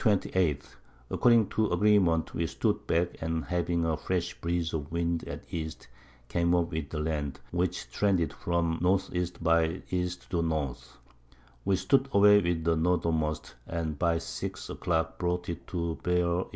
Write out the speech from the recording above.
_ According to Agreement we stood back, and having a fresh Breeze of Wind at East, came up with the Land, which trended from N. E. by E. to N. We stood away with the Northermost, and by 6 a Clock brought it to bear E.